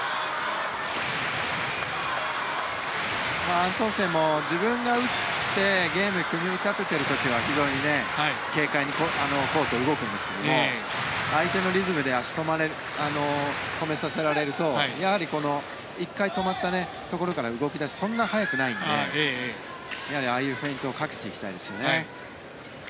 アントンセンも自分が打ってゲームを組み立てている時は非常に軽快にコートを動くんですけども相手のリズムで足を止めさせられるとやはり１回止まったところから動き出すのがそんなに早くないのでやはりああいうフェイントをかけていきたいですね。